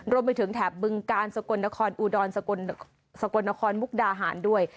แถบบึงกาลสกลนครอุดรสกลนครมุกดาหารด้วย